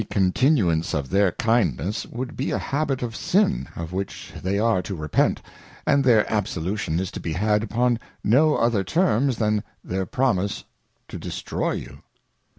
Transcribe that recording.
The continuance of their kindness, would be a habit of Sin, of which they are to repent, and their Absolution is to be had upon no other terms, than their promise to destroy you.